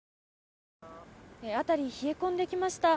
辺り冷え込んできました。